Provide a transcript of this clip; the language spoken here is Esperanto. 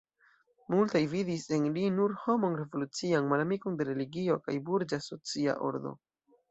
Multaj vidis en li nur homon revolucian, malamikon de religio kaj burĝa socia ordo.